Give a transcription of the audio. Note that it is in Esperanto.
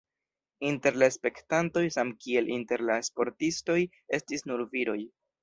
Inter la spektantoj samkiel inter la sportistoj estis nur viroj.